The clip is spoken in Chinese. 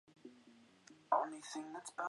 听见自己肚子的咕噜声